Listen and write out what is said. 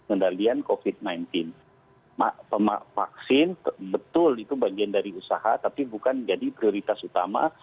kendalian kofit sembilan belas mak vaksin betul itu bagian dari usaha tapi bukan jadi prioritas utama